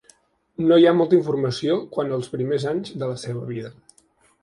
No hi ha molta informació quant als primers anys de la seva vida.